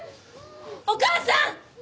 お母さん！